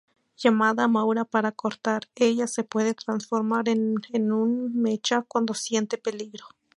Llamada Moura para acortar, ella se puede transformar en un mecha cuando siente peligro.